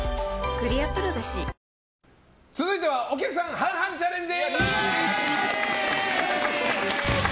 続いてはお客さん半々チャレンジ！